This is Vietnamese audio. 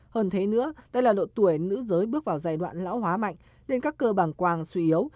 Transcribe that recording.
hơn thế nữa đây là độ tuổi nữ giới bước vào giai đoạn lão hóa mạnh nên các cơ bàng quang suy yếu